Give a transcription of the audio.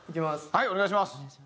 はいお願いします。